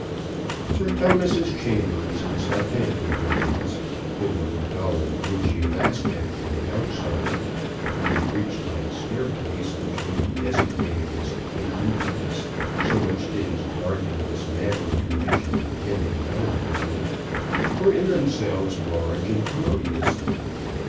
Sir Thomas's chambers in Southampton Buildings, though they were dull and dingy of aspect from the outside, and were reached by a staircase which may be designated as lugubrious, so much did its dark and dismantled condition tend to melancholy, were in themselves large and commodious.